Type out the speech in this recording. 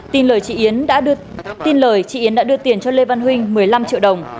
tin lời chị yến đã đưa tiền cho lê văn huynh một mươi năm triệu đồng